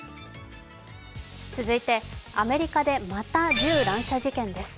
続いて、アメリカでまた銃乱射事件です。